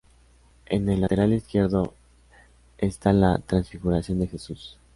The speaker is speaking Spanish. En el lateral izquierdo está la Transfiguración de Jesús.